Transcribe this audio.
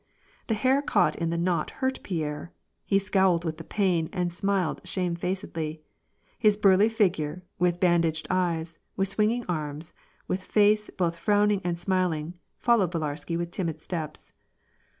The hair caught in the knot hurt Pierre, he scowled with the pain and smiled shamefacedly. His burly figure, with ban daged eyes, with swinging arms, with face both frowning and smiling, followed Villarsky with timid steps.